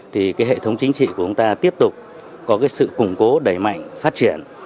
thì cái hệ thống chính trị của chúng ta tiếp tục có cái sự củng cố đẩy mạnh phát triển